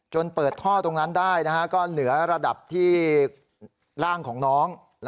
เปิดท่อตรงนั้นได้ก็เหนือระดับที่ร่างของน้อง